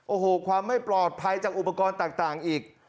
โอ้โหความไม่ปลอดภัยจากอุปกรณ์ต่างอีก